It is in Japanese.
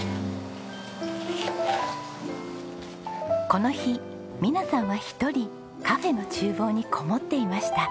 この日美奈さんは一人カフェの厨房にこもっていました。